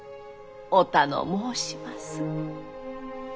お頼申します。